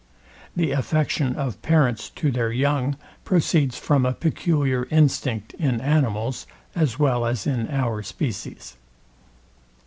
The affection of parents to their young proceeds from a peculiar instinct in animals, as well as in our species.